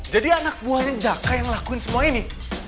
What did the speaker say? jadi anak buahnya daka yang ngelakuin semua ini